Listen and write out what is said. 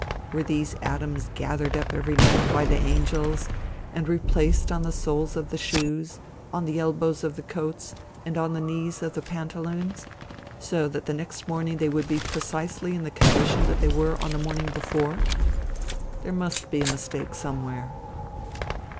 Were these atoms gathered up every night by angels, and replaced on the soles of the shoes, on the elbows of coats, and on the knees of pantaloons, so that the next morning they would be precisely in the condition they were on the morning before? There must be a mistake somewhere.